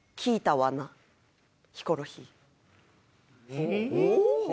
おっ？